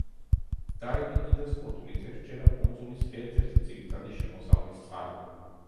დაივინგი და სპორტული თევზჭერა კუნძულის ერთ-ერთი ძირითადი შემოსავლის წყაროა.